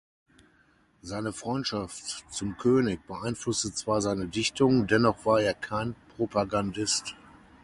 Seine Freundschaft zum König beeinflusste zwar seine Dichtung, dennoch war er kein Propagandist.